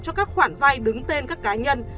cho các khoản vay đứng tên các cá nhân